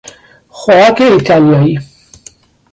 خوراک ایتالیایی